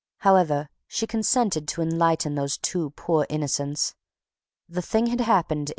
However, she consented to enlighten those two poor innocents. The thing had happened in M.